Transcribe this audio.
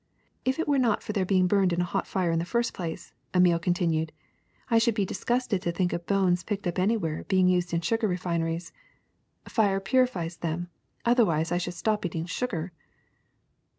'^If it were not for their being burned in a hot fire in the first place," Emile continued, ^^I should be dis gusted to think of bones picked up anywhere being used in sugar refineries. Fire purifies them; other wise I should stop eating sugar.